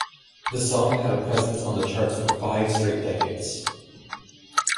The song had a presence on the charts for five straight decades.